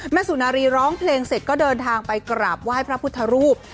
สุนารีร้องเพลงเสร็จก็เดินทางไปกราบไหว้พระพุทธรูป